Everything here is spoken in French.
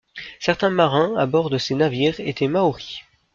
Certains marins à bord de ces navires étaient maori.